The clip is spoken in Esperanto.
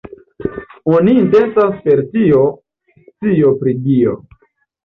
Oni intencas per tio "scio pri Dio".